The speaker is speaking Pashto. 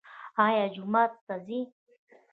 ایا جومات ته ځئ؟